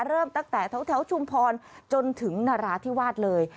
เริ่มตั้งแต่แถวชุมพรจนถึงนราธิวาสเลย